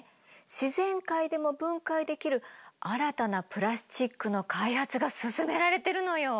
自然界でも分解できる新たなプラスチックの開発が進められてるのよ！